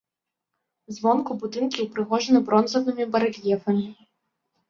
Звонку будынкі ўпрыгожаны бронзавымі барэльефамі.